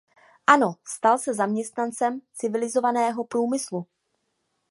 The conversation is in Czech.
ano, stal se zaměstnancem Civilizovaného průmyslu.